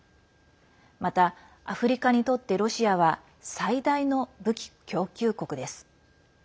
また、アフリカにとってロシアは最大の武器供給国です。